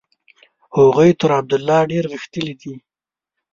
هغوی تر عبدالله ډېر غښتلي دي.